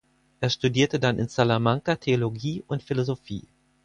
Er studierte dann in Salamanca Theologie und Philosophie.